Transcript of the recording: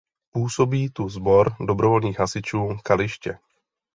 Působí tu Sbor dobrovolných hasičů Kaliště.